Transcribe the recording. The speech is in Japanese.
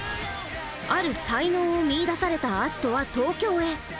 ある才能を見いだされた葦人は東京へ。